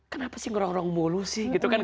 kenapa sih ngerong rong mulu sih gitu kan